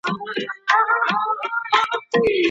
قرض کول د انسان ژوند ترخوي.